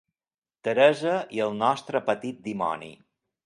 Teresa i el nostre petit dimoni.